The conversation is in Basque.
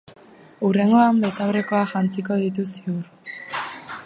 Hurrengoan, betaurrekoak jantziko ditu, ziur.